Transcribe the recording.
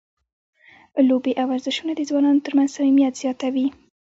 لوبې او ورزشونه د ځوانانو ترمنځ صمیمیت زیاتوي.